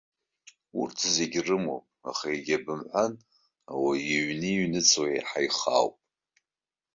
Урҭ зегьы рымоуп, аха егьабымҳәан, ауаҩы иҩны иҩныҵуа еиҳа ихаауп.